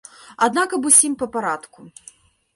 Аднак аб усім па парадку.